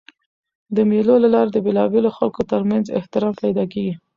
د مېلو له لاري د بېلابېلو خلکو تر منځ احترام پیدا کېږي.